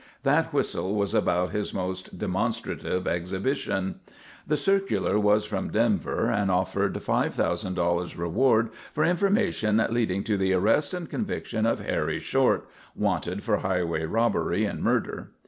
That whistle was about his most demonstrative exhibition. The circular was from Denver and offered $5,000 reward for information leading to the "arrest and conviction" of Harry Short, wanted for highway robbery and murder.